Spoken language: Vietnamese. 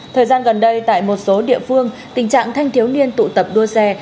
thời gian gần đây tại một số địa phương tình trạng thanh thiếu niên tụ tập đua xe